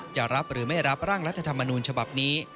จะรับหรือไม่รับร่างรัฐธรรมนูญฉบับนี้